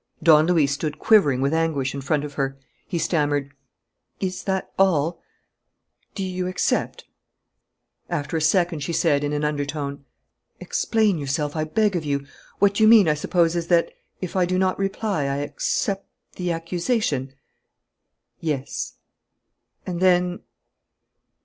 Don Luis stood quivering with anguish in front of her. He stammered: "Is that all? Do you accept?" After a second, she said, in an undertone: "Explain yourself, I beg of you. What you mean, I suppose, is that, if I do not reply, I accept the accusation?" "Yes." "And then?"